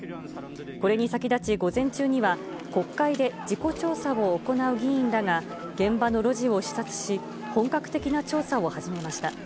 これに先立ち、午前中には、国会で事故調査を行う議員らが、現場の路地を視察し、本格的な調査を始めました。